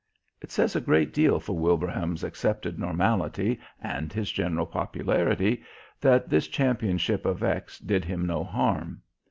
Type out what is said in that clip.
It says a great deal for Wilbraham's accepted normality and his general popularity that this championship of X did him no harm.